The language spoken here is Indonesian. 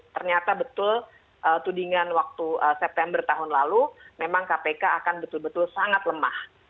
ternyata betul tudingan waktu september tahun lalu memang kpk akan betul betul sangat lemah